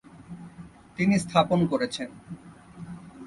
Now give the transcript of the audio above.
তিনি স্থাপন করেছেন।